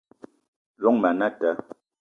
Llong ma anata